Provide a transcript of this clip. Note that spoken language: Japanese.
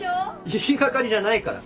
言い掛かりじゃないから。